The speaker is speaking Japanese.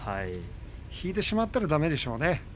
引いてしまったらだめでしょうね。